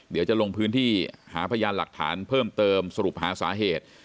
เดี๋ยวจะลงพื้นที่หาพยานหลักฐานเพิ่มเติมสรุปหาสาเหตุ